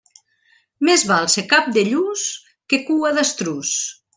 Més val ser cap de lluç que cua d'estruç.